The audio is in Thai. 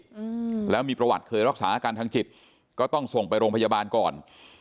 อืมแล้วมีประวัติเคยรักษาอาการทางจิตก็ต้องส่งไปโรงพยาบาลก่อน